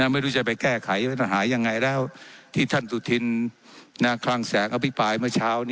ไม่รู้จะไปแก้ไขรัฐหายังไงแล้วที่ท่านสุธินคลังแสงอภิปรายเมื่อเช้า